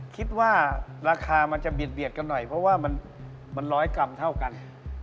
คิดว่าราคามันจะเบียดกันหน่อยเพราะว่ามันร้อยกรัมเท่ากัน